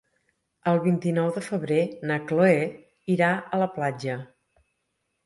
El vint-i-nou de febrer na Cloè irà a la platja.